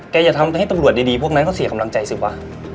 อย่าทำให้ตำรวจดีพวกนั้นก็เสียกำลังใจสิวะ